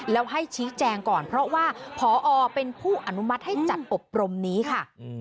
แล้วให้ชี้แจงก่อนเพราะว่าพอเป็นผู้อนุมัติให้จัดอบรมนี้ค่ะ